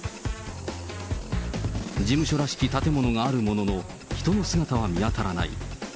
事務所らしき建物があるものの、人の姿は見当たらない。